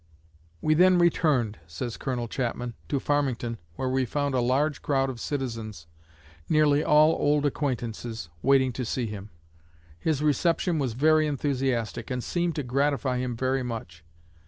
"We then returned," says Colonel Chapman, "to Farmington, where we found a large crowd of citizens nearly all old acquaintances waiting to see him. His reception was very enthusiastic, and seemed to gratify him very much.